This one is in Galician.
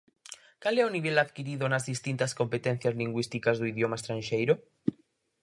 ¿Cal é o nivel adquirido nas distintas competencias lingüísticas do idioma estranxeiro?